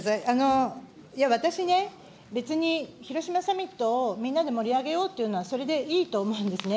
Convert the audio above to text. いや、私ね、別に広島サミットをみんなで盛り上げようというのは、それでいいと思うんですね。